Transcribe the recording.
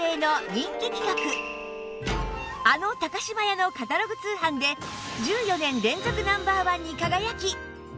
あの島屋のカタログ通販で１４年連続ナンバーワンに輝き